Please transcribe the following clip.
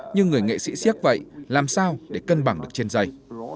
như người nghệ sĩ siếc vậy làm sao để cân bằng được trên dây